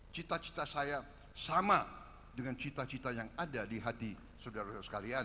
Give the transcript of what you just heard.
cita cita saya sama dengan cita cita yang ada di hati saudara saudara sekalian